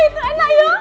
itu enak yuk